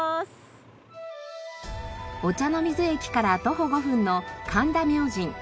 御茶ノ水駅から徒歩５分の神田明神。